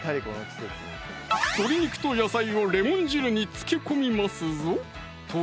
鶏肉と野菜をレモン汁に漬け込みます